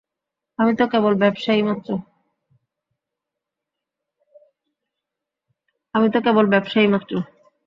আমি তো কেবল ব্যবসায়ী মাত্র।